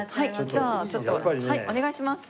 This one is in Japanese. じゃあちょっとお願いします。